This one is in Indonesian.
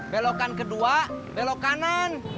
belokan kedua belok kanan